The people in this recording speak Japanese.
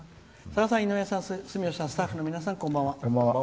「さださん、住吉さん、井上さんスタッフの皆さん、こんばんは。